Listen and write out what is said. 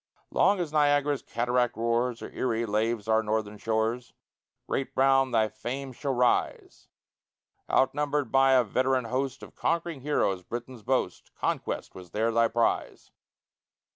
Long as Niagara's cataract roars Or Erie laves our Northern shores, Great Brown, thy fame shall rise; Outnumber'd by a veteran host Of conquering heroes, Britain's boast Conquest was there thy prize.